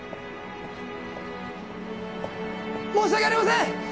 申し訳ありません！